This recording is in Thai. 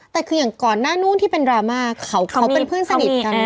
แต่คืออย่างก่อนหน้านู้นที่เป็นดราม่าเขาเป็นเพื่อนสนิทกัน